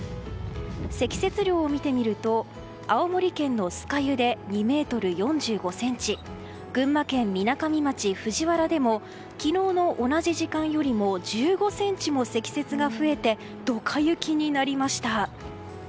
積雪量を見てみると青森県の酸ヶ湯で２ｍ４５ｃｍ群馬県みなかみ町藤原でも昨日の同じ時間よりも１５ｃｍも積雪が増えてドカ雪になりました。